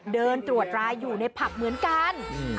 เดินตรวจรายอยู่ในผับเหมือนกัน